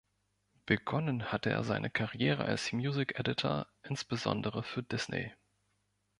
Begonnen hat er seine Karriere als Music Editor, insbesondere für Disney.